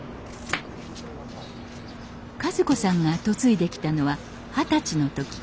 和子さんが嫁いできたのは二十歳の時。